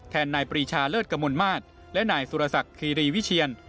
นายปรีชาเลิศกมลมาตรและนายสุรสักคีรีวิเชียน